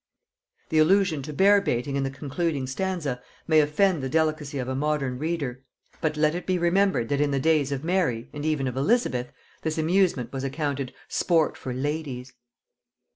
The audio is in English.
The allusion to bear bating in the concluding stanza may offend the delicacy of a modern reader; but let it be remembered that in the days of Mary, and even of Elizabeth, this amusement was accounted "sport for ladies."